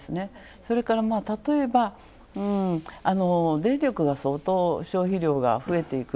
それから、例えば電力が相当消費量が増えていく